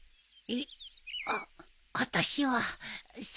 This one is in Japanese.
えっ！？